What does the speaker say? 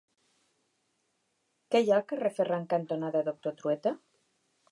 Què hi ha al carrer Ferran cantonada Doctor Trueta?